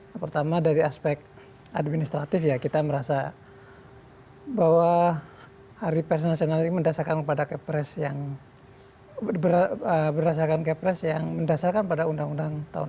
yang pertama dari aspek administratif ya kita merasa bahwa hari pres nasional ini berdasarkan kepada kepres yang berdasarkan pada undang undang tahun seribu sembilan ratus delapan puluh dua